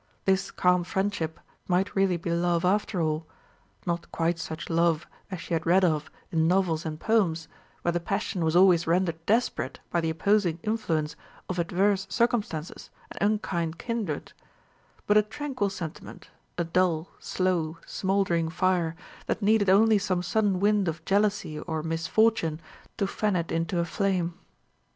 This calm friendship might really be love after all; not quite such love as she had read of in novels and poems, where the passion was always rendered desperate by the opposing influence of adverse circumstances and unkind kindred; but a tranquil sentiment, a dull, slow, smouldering fire, that needed only some sudden wind of jealousy or misfortune to fan it into a flame.